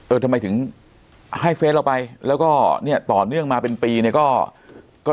ทำไมถึงให้เฟสเราไปแล้วก็เนี่ยต่อเนื่องมาเป็นปีเนี่ยก็ก็